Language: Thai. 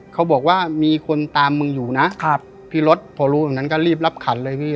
เขาบอกว่ามีคนตามมึงอยู่นะครับพี่รถพอรู้แบบนั้นก็รีบรับขันเลยพี่